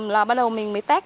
là bắt đầu mình mới test